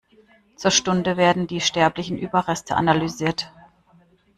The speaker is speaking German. Zur Stunde werden die sterblichen Überreste analysiert.